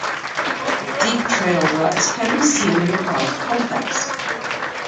Deep trail ruts can be seen in the park complex.